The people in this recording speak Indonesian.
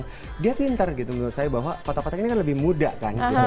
karena dia pinter gitu menurut saya bahwa kotak kotak ini kan lebih muda kan